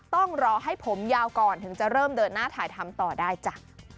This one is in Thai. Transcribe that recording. ต้องรอให้ผมยาวก่อนถึงจะเริ่มเดินหน้าถ่ายทำต่อได้จ้ะ